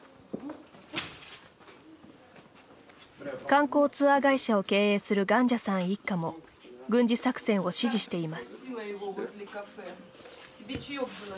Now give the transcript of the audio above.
観光ツアー会社を経営するガンジャさん一家も軍事作戦を支持しています。